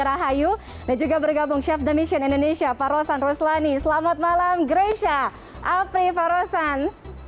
rahayu dan juga bergabung chef demission indonesia parosan ruslani selamat malam gresha apri parosan